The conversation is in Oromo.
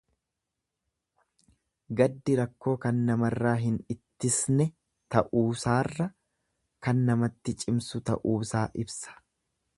Gaddi rakkoo kan namarraa hin ittisne ta'uusaarra kan namatti cimsu ta'uusaa ibsa.